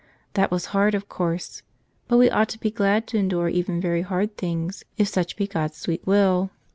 That was hard, of course ; but we ought to be glad to endure even very hard things, if such be God's sweet will.